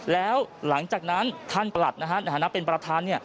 แล้วหลังจากนั้นท่านประหลัดในฐานะเป็นประธาน